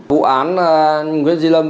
vụ án nguyễn duy lâm